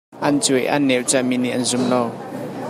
An cuai a neo caah mi nih an zum hna lo.